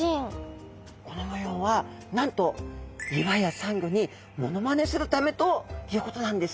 この模様はなんと岩やサンゴにモノマネするためということなんです。